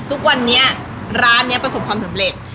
ทุกวันนี้ร้านนี้ประสบความสำเร็จ